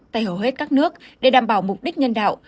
tại hầu hết các nước để đảm bảo mục đích nhân đạo